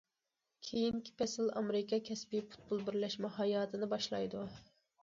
كېيىنكى پەسىل ئامېرىكا كەسپىي پۇتبول بىرلەشمە ھاياتىنى باشلايدۇ.